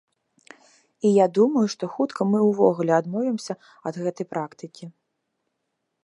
І я думаю, што хутка мы ўвогуле адмовімся ад гэтай практыкі.